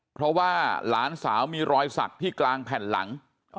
เพราะว่าหลานสาวมีรอยสักที่กลางแผ่นหลัง